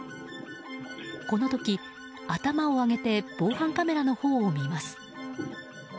この時、頭を上げて防犯カメラのほうを見ます。